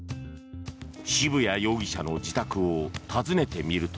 渋谷容疑者の自宅を訪ねてみると。